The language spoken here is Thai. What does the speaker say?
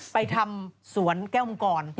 ไปทำสวนแก้วมังกร